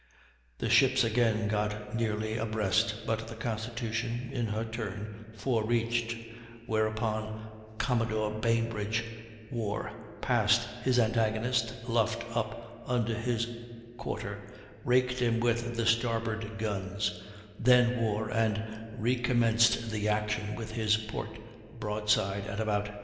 The ships again got nearly abreast, but the Constitution, in her turn, forereached; whereupon Commodore Bainbridge wore, passed his antagonist, luffed up under his quarter, raked him with the starboard guns, then wore, and recommenced the action with his port broadside at about 3.